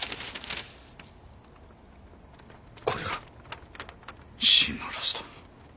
これが真のラスト！